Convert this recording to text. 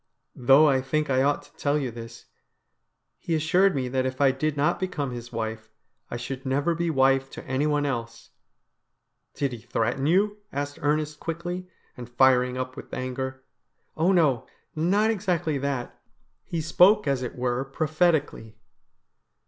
Though I t hink I ought to tell you this, he assured me that if I did not become his wife, I should never be wife to anyone else.' ' Did he threaten you ?' asked Ernest quickly, and firmer up with anger. THE BRIDE OF DEATH 101 ' Oh, no, not exactly that. He spoke as it were prophetic ally.'